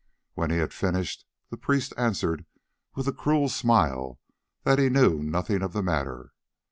When he had finished, the priest answered with a cruel smile that he knew nothing of the matter.